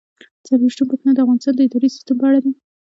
څلرویشتمه پوښتنه د افغانستان د اداري سیسټم په اړه ده.